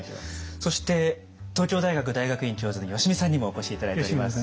そして東京大学大学院教授の吉見さんにもお越し頂いております。